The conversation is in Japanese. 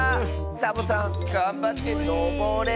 サボさんがんばってのぼれ。